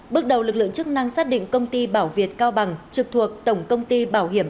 bước đầu lực lượng chức năng xác định công ty bảo việt cao bằng trực thuộc tổng công ty bảo hiểm